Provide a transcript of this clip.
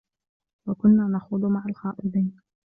وَكُنّا نَخوضُ مَعَ الخائِضينَ